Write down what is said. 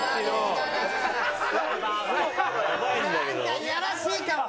なんかいやらしいかも！